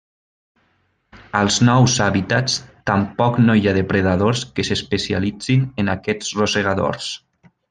Als nous hàbitats tampoc no hi ha depredadors que s'especialitzin en aquests rosegadors.